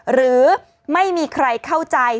หรือไม่มีใครเข้าใจ